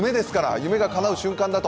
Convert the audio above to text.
夢がかなう瞬間だと。